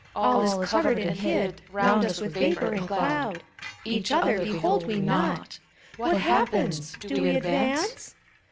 All is covered and hid Round us with vapor and cloud : Each other behold we not! What happens? do we advance?